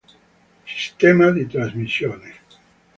Sistema di trasmissione